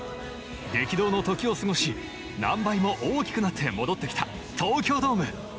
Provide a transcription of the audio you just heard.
激動の時を過ごし何倍も大きくなって戻ってきた東京ドーム。